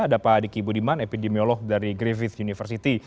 ada pak diki budiman epidemiolog dari griffith university